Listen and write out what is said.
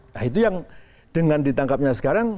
nah itu yang dengan ditangkapnya sekarang